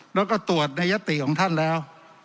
แล้วก็ตรวจในยติของท่านแล้ว